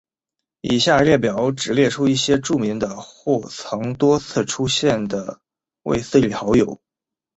以下列表只列出一些著名的或曾多次出现的卫斯理好友。